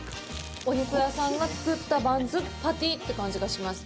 お肉屋さんが作ったバンズ、パティって感じがします。